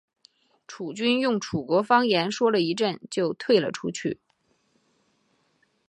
楚军用楚国方言说了一阵就退了出去。